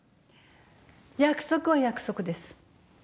約束は約束です。